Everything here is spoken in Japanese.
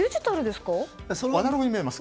アナログに見えます。